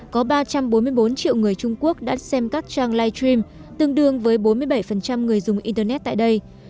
có ba trăm bốn mươi bốn triệu người trung quốc đã xem các trang live stream tương đương với bốn mươi bảy người dùng internet tại đây